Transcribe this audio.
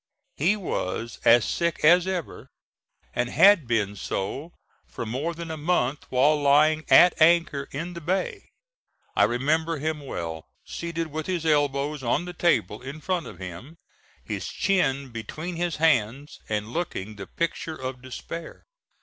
He was as sick as ever, and had been so for more than a month while lying at anchor in the bay. I remember him well, seated with his elbows on the table in front of him, his chin between his hands, and looking the picture of despair.